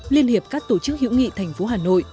liên hiệp các tổ chức hữu nghị thành phố hà nội